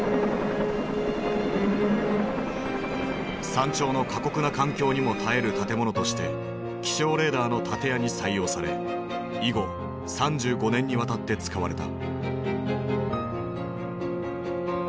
山頂の過酷な環境にも耐える建物として気象レーダーの建屋に採用され以後３５年にわたって使われた。